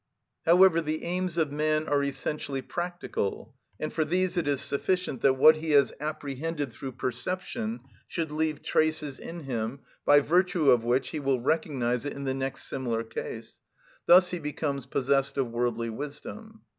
However, the aims of man are essentially practical; and for these it is sufficient that what he has apprehended through perception should leave traces in him, by virtue of which he will recognise it in the next similar case; thus he becomes possessed of worldly wisdom.